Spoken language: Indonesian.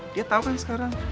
dia tau kan sekarang